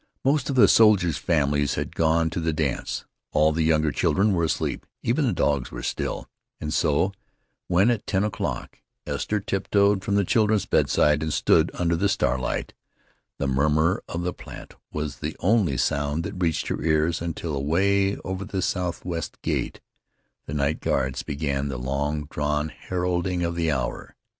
Most of the soldiers' families had gone to the dance; all of the younger children were asleep; even the dogs were still, and so, when at ten o'clock Esther tiptoed from the children's bedside and stood under the starlight, the murmur of the Platte was the only sound that reached her ears until, away over at the southwest gate the night guards began the long drawn heralding of the hour.